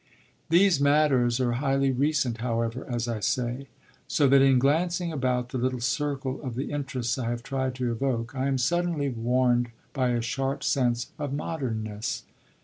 These matters are highly recent, however, as I say; so that in glancing about the little circle of the interests I have tried to evoke I am suddenly warned by a sharp sense of modernness.